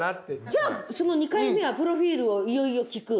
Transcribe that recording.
じゃあその２回目はプロフィールをいよいよ聞く？